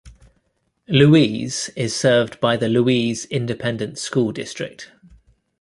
Louise is served by the Louise Independent School District.